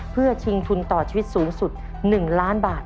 เพื่อชิงทุนต่อชีวิตสูงสุด๑ล้านบาท